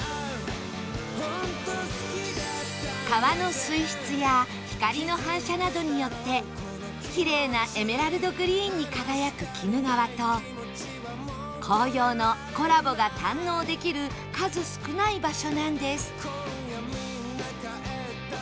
川の水質や光の反射などによってキレイなエメラルドグリーンに輝く鬼怒川と紅葉のコラボが堪能できる数少ない場所なんです